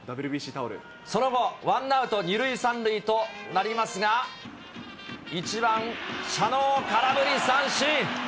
その後、ワンアウト２塁３塁となりますが、１番佐野を空振り三振。